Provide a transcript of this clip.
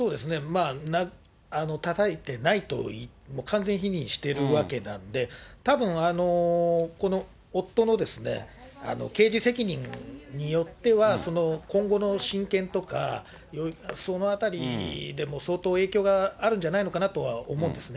たたいてないと完全否認しているわけなんで、たぶん、夫の刑事責任によっては、今後の親権とか、そのあたりでも相当影響があるんじゃないのかなとは思うんですね。